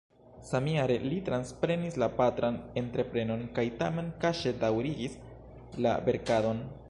Samjare li transprenis la patran entreprenon kaj tamen kaŝe daŭrigis la verkadon.